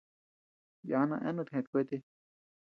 Yana eanut jeʼët kuete.